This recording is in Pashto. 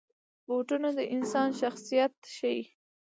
بوټونه د انسان شخصیت ښيي.